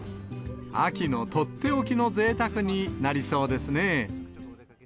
秋の取って置きのぜいたくになりそうですね。